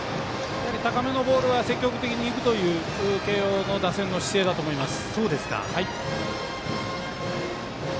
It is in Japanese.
高めのボールは積極的にいくという慶応の打線の姿勢だと思います。